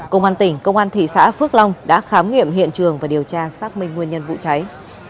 công an tỉnh công an thị xã phước long đã khám nghiệm hiện trường và điều tra xác minh nguyên nhân vụ cháy